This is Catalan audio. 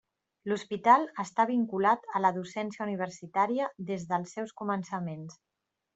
L'hospital està vinculat a la docència universitària des dels seus començaments.